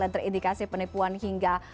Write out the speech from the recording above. yang terindikasi penipuan hingga